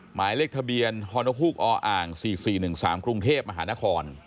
หมายเลขทะเบียนฮออสี่สี่หนึ่งสามครุงเทพฯมหานคร